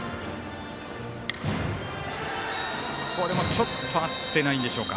ちょっと合ってないんでしょうか。